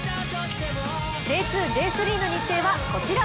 Ｊ２、Ｊ３の日程はこちら。